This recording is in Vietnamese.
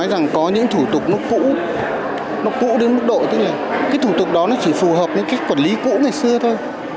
nói rằng có những thủ tục nó cũ nó cũ đến mức độ tức là cái thủ tục đó nó chỉ phù hợp với cái quản lý cũ ngày xưa thôi